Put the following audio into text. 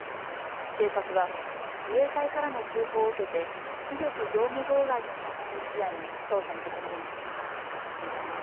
警察は自衛隊からの通報を受けて威力業務妨害の疑いを視野に捜査することにしています。